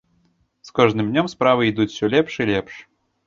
З кожным днём справы ідуць усё лепш і лепш.